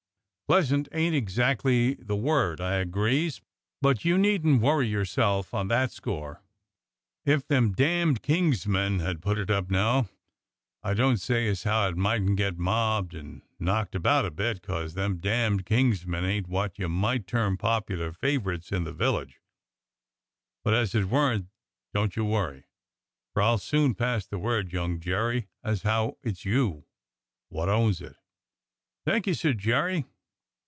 "Pleasant ain't exactly the word, I agrees, but you 110 DOCTOR SYN needn't worry yourself on that score. If them damned King's men had put it up now, I don't say as how it mightn't get mobbed and knocked about a bit, 'cos them damned King's men ain't wot you might term popular favourites in the village, but as it weren't, don't you worry, for I'll soon pass the word, young Jerry, as how it's you wot owns it." "Thank you," said Jerry.